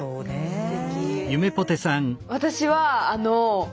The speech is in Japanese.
すてき。